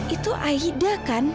itu aida kan